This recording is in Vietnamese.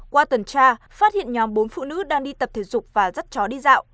qua tuần tra phát hiện nhóm bốn phụ nữ đang đi tập thể dục và dắt chó đi dạo